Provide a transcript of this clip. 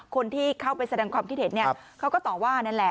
คนที่เข้าไปแสดงความคิดเห็นเขาก็ต่อว่านั่นแหละ